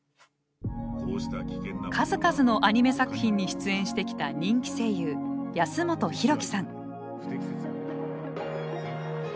数々のアニメ作品に出演してきた人気声優安元洋貴さん。